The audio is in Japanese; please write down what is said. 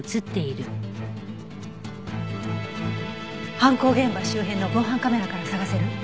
犯行現場周辺の防犯カメラから捜せる？